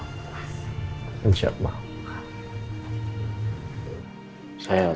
saya otot berkocita atas meninggalnya sarah